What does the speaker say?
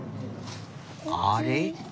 あれ？